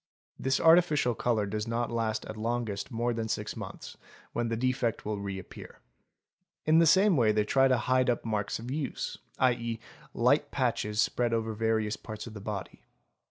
This artificial colour does not last at longest more than six months, when the defect will reappear. In the same way they try to hide up marks of use, 7.e., light patches spread over various parts of the body.